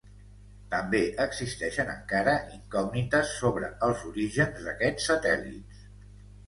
També existeixen encara incògnites sobre els orígens d'aquests satèl·lits.